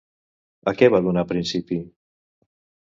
A què va donar principi?